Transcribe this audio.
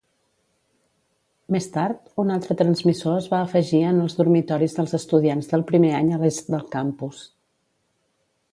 Més tard, un altre transmissor es va afegir en els dormitoris dels estudiants del primer any a l'est del campus.